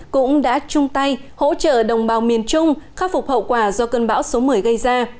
cũng đã chung tay hỗ trợ đồng bào miền trung khắc phục hậu quả do cơn bão số một mươi gây ra